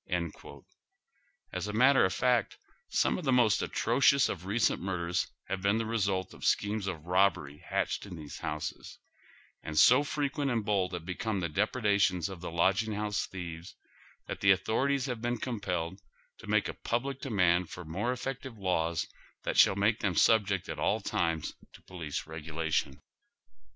As a matter of fact, some of the most atro cious of I'eeent murders have been the result of schemes of robbery batched in these houses, and so frequent and bold have become the depredations of the lodging liouse thieves, that the authorities have been compelled to make a public demand for more effective laws that shall make them subject at all times to police regulation.